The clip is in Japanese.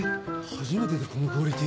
初めてでこのクオリティー？